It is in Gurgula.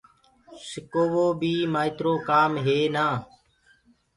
سڪووو بي مآئيترو ڪآم هي نآ